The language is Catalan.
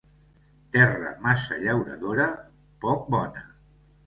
Terra massa llauradora, poc bona.